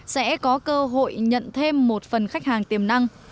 sẽ có cơ hội nhận thêm một phần khách hàng tiềm năng